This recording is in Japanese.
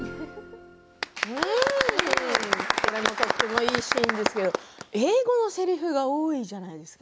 とてもいいシーンですけれども英語のせりふが多いじゃないですか。